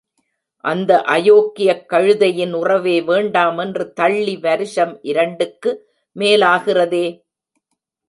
அந்த அயோக்கியக் கழுதையின் உறவே வேண்டாமென்று தள்ளி வருஷம் இரண்டுக்கு மேலாகிறதே.